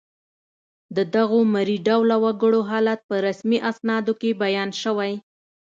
د دغو مري ډوله وګړو حالت په رسمي اسنادو کې بیان شوی